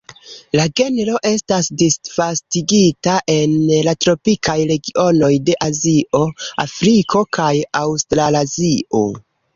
La genro estas disvastigita en la tropikaj regionoj de Azio, Afriko kaj Aŭstralazio.